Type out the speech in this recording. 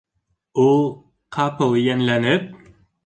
Ул, ҡапыл йәнләнеп: